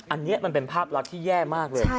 อันนี้มันเป็นภาพลักษณ์ที่แย่มากเลย